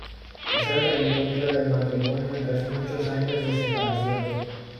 Es el reencuentro del matrimonio tras muchos años de separación.